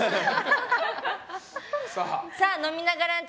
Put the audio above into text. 飲みながランチ！